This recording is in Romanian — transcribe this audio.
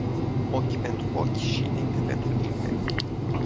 Ochi pentru ochi și dinte pentru dinte.